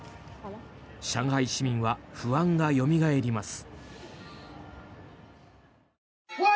上海市民は不安がよみがえります。